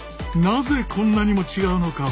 なぜこんなにも違うのか？